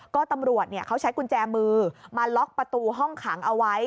ก็ตำรวจเขาใช้กุญแจมือมาล็อกประตูห้องขังเอาไว้